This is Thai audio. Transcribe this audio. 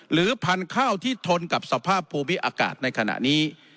หรือพันธุ์ข้าวที่ทนกับสภาพภูมิอากาศในขณะนี้